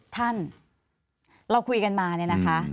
ท่านเราคุยกันมาเนี่ยนะคะ